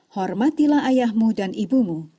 hormatilah ayahmu dan ibumu